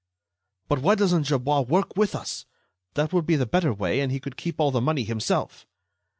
"But why doesn't Gerbois work with us? That would be the better way, and he could keep all the money himself."